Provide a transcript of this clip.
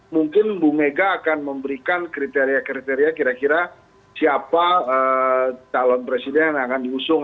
mungkin bu mega akan memberikan kriteria kriteria kira kira siapa calon presiden yang akan diusung